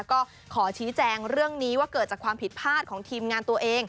ก็ขอชี้แจงเรื่องนี้ว่าเกิดจากความผิดพลาดของทีมงานตัวเอง